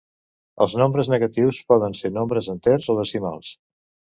Els nombres negatius poden ser nombres enters o decimals.